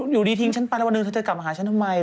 อยู่ดีทิ้งฉันไปแล้ววันหนึ่งเธอจะกลับมาหาฉันทำไม